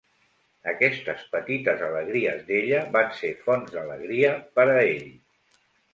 Aquestes petites alegries d'ella van ser fonts d'alegria per a ell.